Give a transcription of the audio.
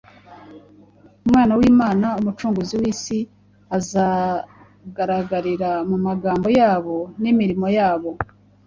Umwana w’Imana, Umucunguzi w’isi, azagaragarira mu magambo yabo, n’imirimo yabo,